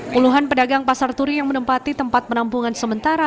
puluhan pedagang pasar turi yang menempati tempat penampungan sementara